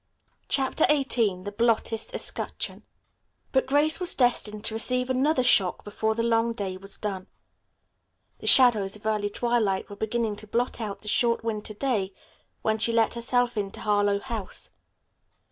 CHAPTER XVIII THE BLOTTED ESCUTCHEON But Grace was destined to receive another shock before the long day was done. The shadows of early twilight were beginning to blot out the short winter day when she let herself into Harlowe House.